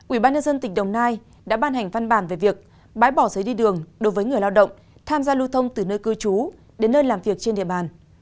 ủy ban nhân dân tỉnh đồng nai đã ban hành văn bản về việc bãi bỏ giấy đi đường đối với người lao động tham gia lưu thông từ nơi cư trú đến nơi làm việc trên địa bàn